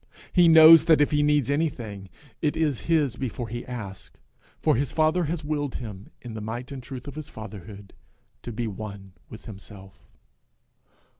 He knows that if he needs anything, it is his before he asks it; for his father has willed him, in the might and truth of his fatherhood, to be one with himself.